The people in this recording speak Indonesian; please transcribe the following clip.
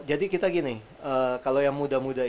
jadi kita gini kalau yang muda muda